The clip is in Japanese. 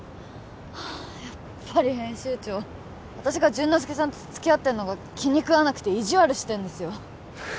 やっぱり編集長私が潤之介さんと付き合ってるのが気に食わなくて意地悪してんですよ